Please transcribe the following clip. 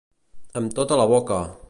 Amb tota la boca.